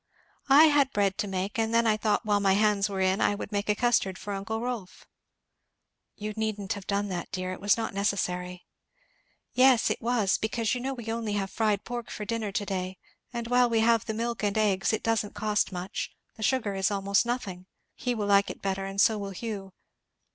"I had bread to make and then I thought while my hands were in I would make a custard for uncle Rolf." "You needn't have done that, dear! it was not necessary." "Yes it was, because you know we have only fried pork for dinner to day, and while we have the milk and eggs it doesn't cost much the sugar is almost nothing. He will like it better, and so will Hugh.